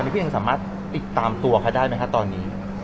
พี่ยังสามารถติดตามตัวเขาได้ไหมคะตอนนี้